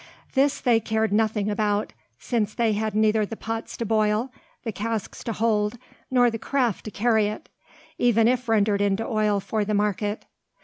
This they cared nothing about: since they had neither the pots to boil, the casks to hold, nor the craft to carry it, even if rendered into oil for the market.